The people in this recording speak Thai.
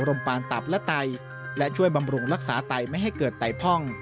ปานตับและไตและช่วยบำรุงรักษาไตไม่ให้เกิดไตพ่อง